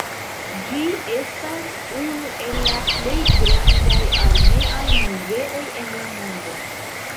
Ĝi estas unu el la plej grandaj armeaj muzeoj en la mondo.